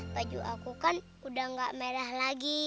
baju aku kan sudah tidak merah lagi